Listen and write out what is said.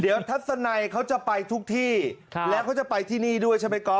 เดี๋ยวทัศนัยเขาจะไปทุกที่แล้วเขาจะไปที่นี่ด้วยใช่ไหมก๊อ